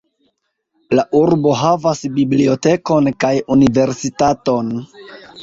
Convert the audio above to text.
La urbo havas bibliotekon kaj universitaton.